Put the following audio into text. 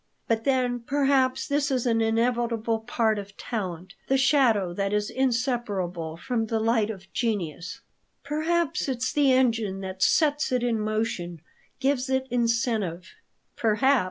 But then perhaps this is an inevitable part of talent, the shadow that is inseparable from the light of genius." "Perhaps it's the engine that sets it in motion, gives it incentive." "Perhaps.